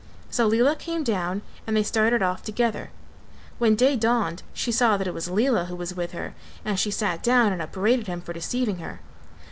So Lela came down and they started off together; when day dawned she saw that it was Lela who was with her and she sat down and upbraided him for deceiving her.